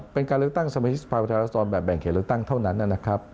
เป็นการเลือกตั้งสมาชิกสภาพุทธรสรแบบแบ่งเขตเลือกตั้งเท่านั้นนะครับ